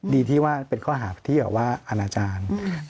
ดีที่ว่าเป็นข้อหาที่แบบว่าอนาจารย์